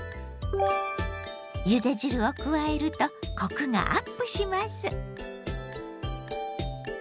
ゆで汁を加えるとコクがアップします。